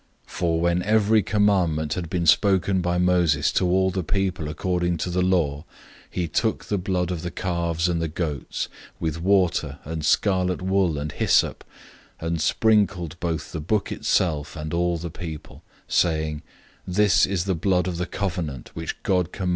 009:019 For when every commandment had been spoken by Moses to all the people according to the law, he took the blood of the calves and the goats, with water and scarlet wool and hyssop, and sprinkled both the book itself and all the people, 009:020 saying, "This is the blood of the covenant which God has commanded you."